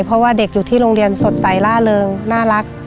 เพราะว่าเด็กอยู่ที่โรงเรียนสดใสล่าเริงน่ารัก